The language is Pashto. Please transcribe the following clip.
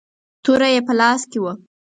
توره يې په لاس کې وه.